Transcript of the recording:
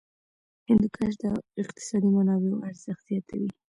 هندوکش د اقتصادي منابعو ارزښت زیاتوي.